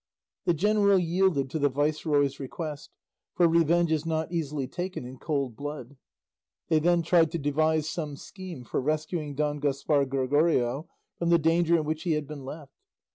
The general yielded to the viceroy's request, for revenge is not easily taken in cold blood. They then tried to devise some scheme for rescuing Don Gaspar Gregorio from the danger in which he had been left.